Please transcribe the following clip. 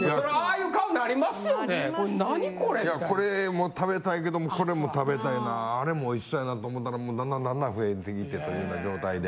いやこれも食べたいけどもこれも食べたいなあれもおいしそうやなと思たらもうだんだんだんだん増えてきてというような状態で。